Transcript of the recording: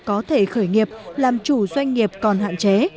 có thể khởi nghiệp làm chủ doanh nghiệp còn hạn chế